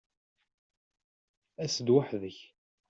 As-d weḥd-k!